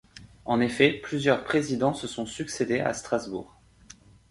En effet, plusieurs présidents se sont succédé à Strasbourg.